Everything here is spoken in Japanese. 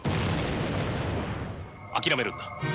諦めるんだ。